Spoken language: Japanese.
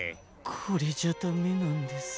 これじゃダメなんです。